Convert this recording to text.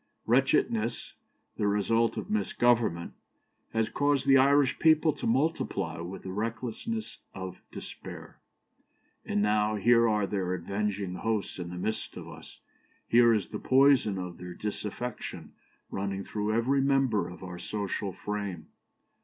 Wretchedness, the result of misgovernment, has caused the Irish people to multiply with the recklessness of despair, and now here are their avenging hosts in the midst of us, here is the poison of their disaffection running through every member of our social frame.